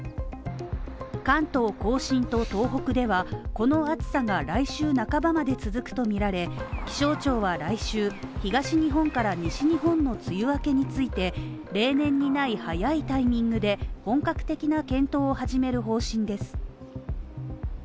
関東甲信と東北ではこの暑さが来週半ばまで続くとみられ気象庁は来週、東日本から西日本の梅雨明けについて例年にない早いタイミングで本格的な検討を始める方針です。